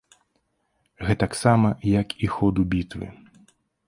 Гэтаксама як і ходу бітвы.